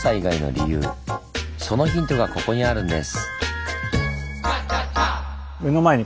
そのヒントがここにあるんです。